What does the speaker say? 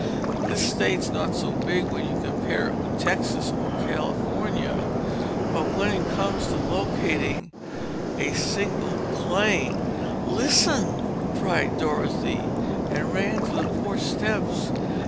This state's not so big when you compare it with Texas or California—but when it comes to locating a single plane—" "Listen!" cried Dorothy and ran to the porch steps.